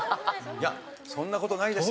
いやそんな事ないですよ。